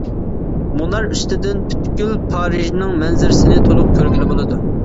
مۇنار ئۈستىدىن پۈتكۈل پارىژنىڭ مەنزىرىسىنى تولۇق كۆرگىلى بولىدۇ.